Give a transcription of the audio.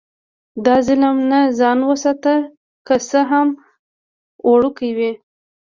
له ظلم نه ځان وساته، که څه هم وړوکی وي.